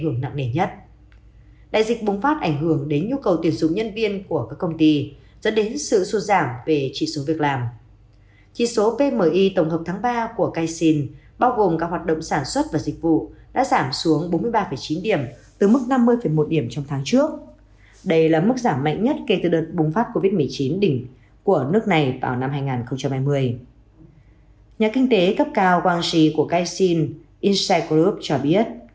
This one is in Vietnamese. các nhà phân tích cho biết các lĩnh vực dịch vụ yêu cầu tiếp xúc nhiều như vận tải cách sản và ăn uống